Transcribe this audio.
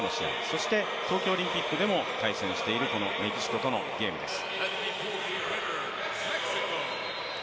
そして、東京オリンピックでも対戦しているメキシコとのゲームです。